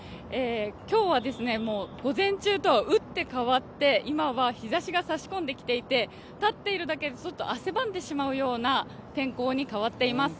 今日は午前中とは打って変わって今は日ざしが差し込んできていて、立っているだけで汗ばんでしまうような天候に変わっています。